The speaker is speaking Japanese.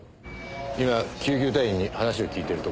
今救急隊員に話を聞いてるところです。